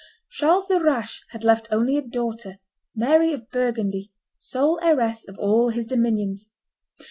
Charles the Rash had left only a daughter, Mary of Burgundy, sole heiress of all his dominions.